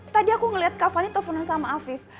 tadi aku ngeliat kak fani teleponan sama afif